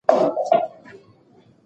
له همدې امله شات نه خرابیږي.